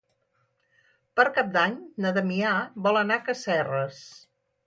Per Cap d'Any na Damià vol anar a Casserres.